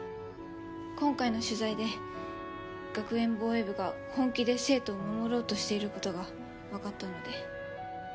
今回の取材で学園防衛部が本気で生徒を守ろうとしている事がわかったので。